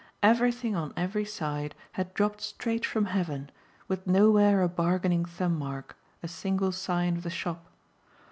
Everything on every side had dropped straight from heaven, with nowhere a bargaining thumb mark, a single sign of the shop.